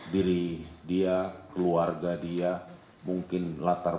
diri dia keluarga dia mungkin latarga